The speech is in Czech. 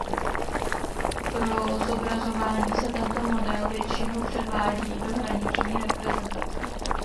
Pro zobrazování se tento model většinou převádí do hraniční reprezentace.